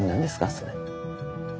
それ。